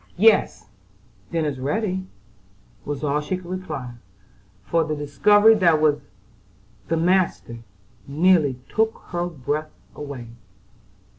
"Yes; dinner's ready," was all she could reply, for the discovery that this was the "master," nearly took her breath away.